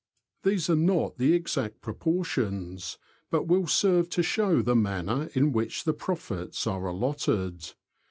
These are not the exact proportions, but will serve to show the manner in which the profits are allotted.